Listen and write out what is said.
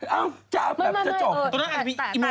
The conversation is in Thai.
เอ้าจะออกแบบจะจบ